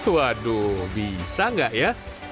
waduh bisa nggak ya